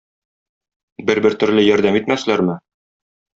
Бер-бер төрле ярдәм итмәсләрме?